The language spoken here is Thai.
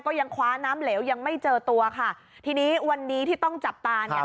ก็ยังคว้าน้ำเหลวยังไม่เจอตัวค่ะทีนี้วันนี้ที่ต้องจับตาเนี่ย